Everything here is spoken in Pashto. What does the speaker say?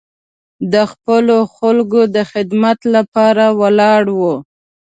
د خپلو خلکو د خدمت لپاره ولاړ و.